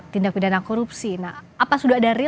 tindak pidana korupsi nah apa sudah dari